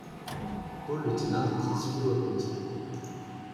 Paul était l'un des principaux apôtres.